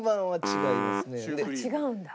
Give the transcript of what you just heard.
違うんだ。